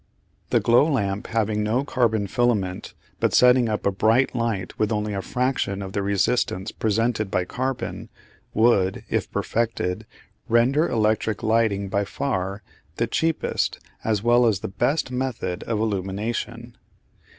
The glow lamp having no carbon filament, but setting up a bright light with only a fraction of the resistance presented by carbon, would, if perfected, render electric lighting by far the cheapest as well as the best method of illumination.